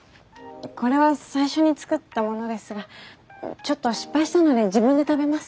これは最初に作ったものですがちょっと失敗したので自分で食べます。